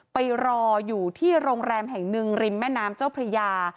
ไปรออยู่ที่โรงแรมแห่งหนึ่งริมแม่น้ำเจ้าพระยา